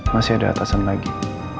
masih ada atasan lagi